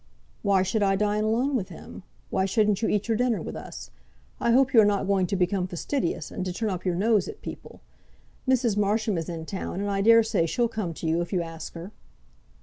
"Why should I dine alone with him? Why shouldn't you eat your dinner with us? I hope you are not going to become fastidious, and to turn up your nose at people. Mrs. Marsham is in town, and I dare say she'll come to you if you ask her."